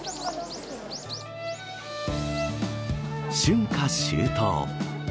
春夏秋冬。